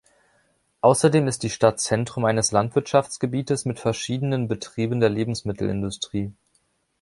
Außerdem ist die Stadt Zentrum eines Landwirtschaftsgebietes mit verschiedenen Betrieben der Lebensmittelindustrie.